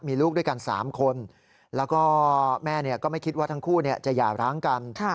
มีลูกด้วยกัน๓คนแล้วก็แม่ก็ไม่คิดว่าทั้งคู่จะหย่าร้างกัน